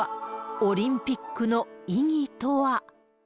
オリンピックの意義とは。